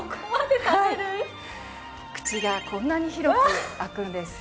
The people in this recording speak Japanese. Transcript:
口がこんなに広く開くんです。